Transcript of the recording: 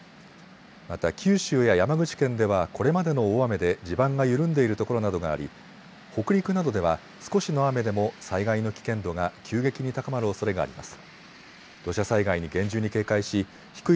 また九州や山口県ではこれまでの大雨で地盤が緩んでいるところなどがあり北陸などでは少しの雨でも災害の危険度が急激に高まるおそれがあります。